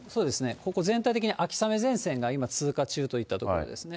ここ全体的に秋雨前線が今、通過中といったところですね。